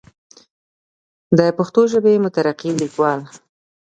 دَ پښتو ژبې مترقي ليکوال